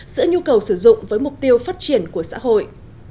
giữa nhu cầu sử dụng với mục tiêu phát triển của xã hội